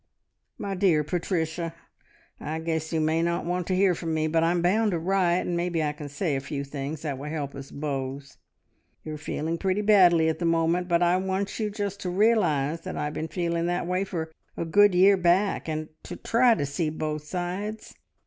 "My dear Patricia, I guess you may not want to hear from me, but I'm bound to write, and maybe I can say a few things that will help us both. You're feeling pretty badly at the moment. But I want you just to realise that I've been feeling that way for a good year back, and to try to see both sides.